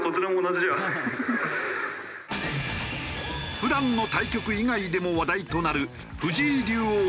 普段の対局以外でも話題となる藤井竜王・名人。